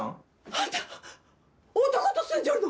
あんた男と住んじょるの！？